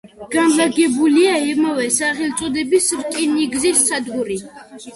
განლაგებულია იმავე სახელწოდების რკინიგზის სადგური.